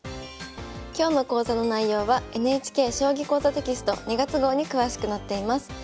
今日の講座の内容はＮＨＫ「将棋講座」テキスト２月号に詳しく載っています。